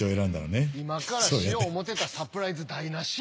今からしよう思てたサプライズ台無しやわ。